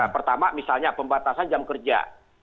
pertama misalnya pembatasan jam kerja